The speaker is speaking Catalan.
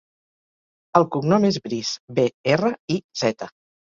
El cognom és Briz: be, erra, i, zeta.